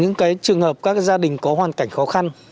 những trường hợp các gia đình có hoàn cảnh khó khăn